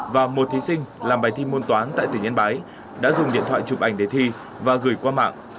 và một thí sinh làm bài thi môn toán tại tỉnh yên bái đã dùng điện thoại chụp ảnh để thi và gửi qua mạng